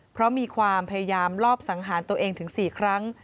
เพราะมีความพยายามลอบสังหารตัวเองถึง๔ครั้ง